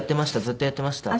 ずっとやっていました。